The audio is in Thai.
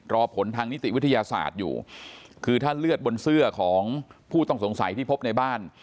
รอผลทางนิติวิทยาศาสตร์อยู่คือถ้าเลือดบนเสื้อของผู้ต้องสงสัยที่พบในบ้าน